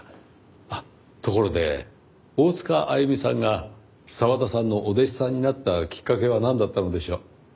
あっところで大塚あゆみさんが澤田さんのお弟子さんになったきっかけはなんだったのでしょう？